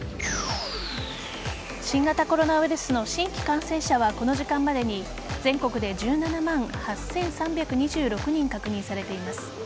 新型コロナウイルスの新規感染者はこの時間までに全国で１７万８３２６人確認されています。